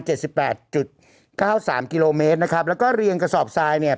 สิบแปดจุดเก้าสามกิโลเมตรนะครับแล้วก็เรียงกระสอบทรายเนี่ย